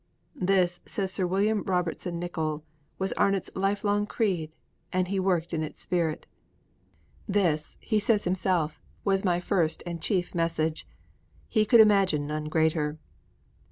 _ 'This,' says Sir William Robertson Nicoll, 'was Arnot's lifelong creed, and he worked in its spirit.' 'This,' he says himself, 'was my first and chief message.' He could imagine none greater.